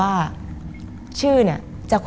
มันกลายเป็นรูปของคนที่กำลังขโมยคิ้วแล้วก็ร้องไห้อยู่